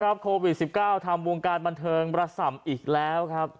โควิด๑๙ทำวงการบันเทิงระส่ำอีกแล้วครับ